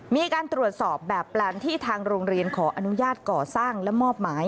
มีการตรวจสอบแบบแปลนที่ทางโรงเรียนขออนุญาตก่อสร้างและมอบหมาย